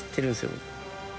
僕。